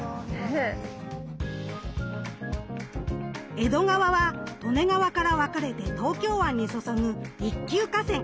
江戸川は利根川から分かれて東京湾に注ぐ一級河川。